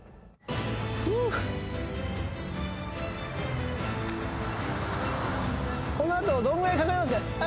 ふうこのあとどんぐらいかかりますか？